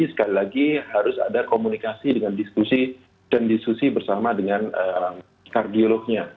sekali lagi harus ada komunikasi dengan diskusi dan diskusi bersama dengan kardiolognya